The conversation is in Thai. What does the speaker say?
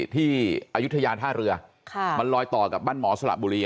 อายุทยาท่าเรือมันลอยต่อกับบ้านหมอสละบุรี